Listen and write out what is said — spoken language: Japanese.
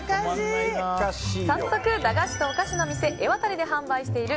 早速、駄菓子とおかしのみせエワタリで販売している